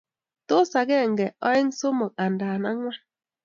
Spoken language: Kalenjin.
Tos akeenge aeng somok andan angwan